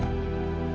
kau faktor ap putin